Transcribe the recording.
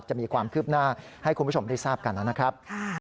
จะมีความคืบหน้าให้คุณผู้ชมได้ทราบกันนะครับ